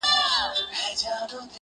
په سترگو گوري، په زوى لوړي.